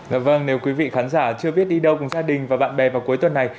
vâng nếu quý vị khán giả chưa biết đi đâu cùng gia đình và bạn bè vào cuối tuần này